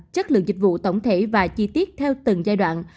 chất lượng dịch vụ tổng thể và chi tiết theo từng giai đoạn